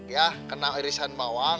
ya kena irisan bawang